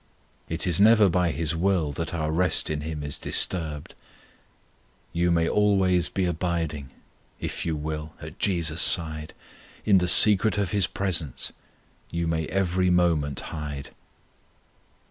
It is never by His will that our rest in Him is disturbed. You may always be abiding, If you will, at JESUS' side; In the secret of His presence You may every moment hide.